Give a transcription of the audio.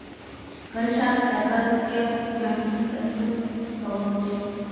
بل شخص به دا زیات محصول تصرف کاوه.